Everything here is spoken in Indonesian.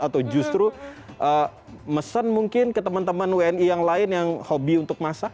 atau justru mesen mungkin ke teman teman wni yang lain yang hobi untuk masak